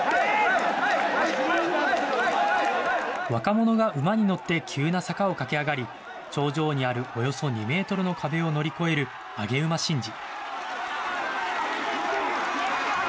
若者が馬に乗って急な坂を駆け上がり、頂上にあるおよそ２メートルの壁を乗り越える上げ馬神事。